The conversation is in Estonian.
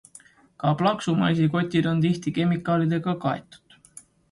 Ka plaksumaisi kotid on tihti kemikaalidega kaetud.